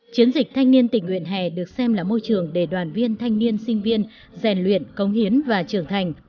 chiến dịch thanh niên tình nguyện hè được xem là môi trường để đoàn viên thanh niên sinh viên rèn luyện công hiến và trưởng thành